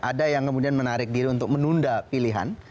ada yang kemudian menarik diri untuk menunda pilihan